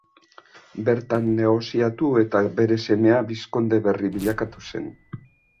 Bertan negoziatu eta bere semea bizkonde berri bilakatu zen.